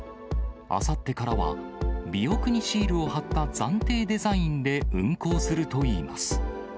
あさってからは、尾翼にシールを貼った暫定デザインで運航するといいます。